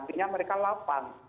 hatinya mereka lapang